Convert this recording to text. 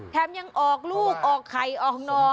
แถมยังออกลูกออกไข่ออกนอ